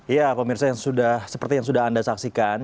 ya pak mirza seperti yang sudah anda saksikan